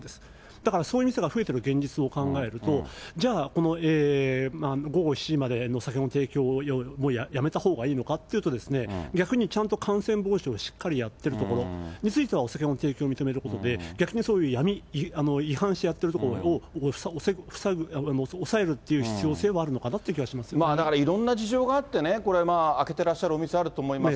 だからそういう店が増えてる現実を考えると、じゃあこの午後７時までの酒の提供をやめたほうがいいのかっていうと、逆にちゃんと感染防止をしっかりやってるところについてはお酒の提供を認めることで、逆に闇、違反してやっている所をおさえるという必要性はあるのかなというだからいろんな事情があってね、これまあ、開けてらっしゃるお店、あると思います。